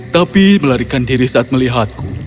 tapi melarikan diri saat melihatku